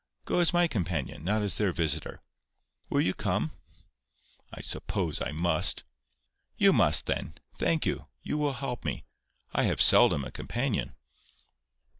Go as my companion, not as their visitor. Will you come?" "I suppose I must." "You must, then. Thank you. You will help me. I have seldom a companion."